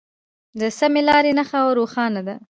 د سمې لارې نښه روښانه ده.